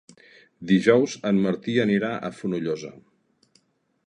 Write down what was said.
Dijous en Martí anirà a Fonollosa.